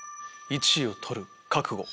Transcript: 「１位を獲る覚悟」